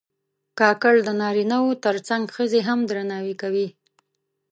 کاکړ د نارینه و تر څنګ ښځې هم درناوي کوي.